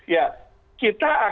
ya kita akan tetap melayani kebutuhan